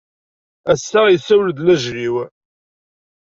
Ass-a yessawel-d lajel-iw.